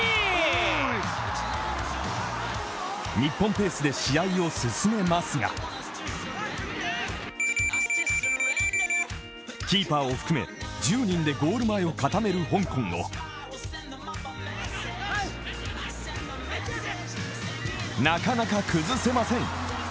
日本ペースで試合を進めますがキーパーを含め１０人でゴール前を固める香港をなかなか崩せません。